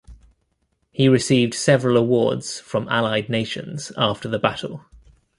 He received several awards from allied nations after the battle.